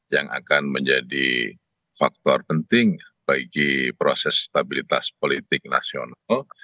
yang akan menjadi faktor penting bagi proses stabilitas politik nasional